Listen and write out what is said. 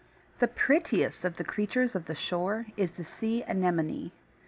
The prettiest of the creatures of the shore is the Sea Anemone.